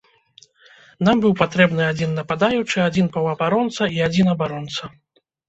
Нам быў патрэбны адзін нападаючы, адзін паўабаронца і адзін абаронца.